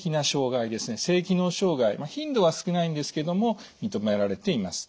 性機能障害頻度は少ないんですけども認められています。